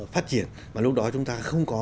phát triển và lúc đó chúng ta không có